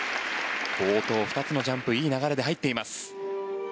冒頭、２つのジャンプいい流れで入っています。